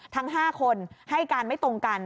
ทั้ง๕คนให้การไม่ตรงกัน